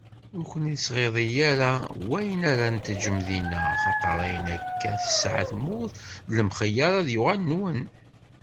Ur ken-ittɣiḍi ara wayen ara n-teǧǧem dinna, axaṭer ayen akk i tesɛa tmurt d lemxeyyeṛ, ad yuɣal nwen.